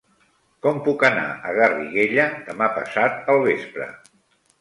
Com puc anar a Garriguella demà passat al vespre?